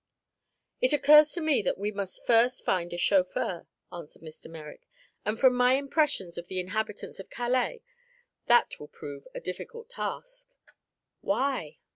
"It occurs to me that we must first find a chauffeur," answered Mr. Merrick, "and from my impressions of the inhabitants of Calais, that will prove a difficult task." "Why?"